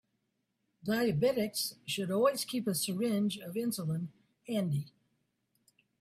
Diabetics should always keep a syringe of insulin handy.